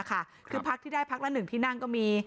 คือพักที่ได้พักละ๑ที่นั่งก็มี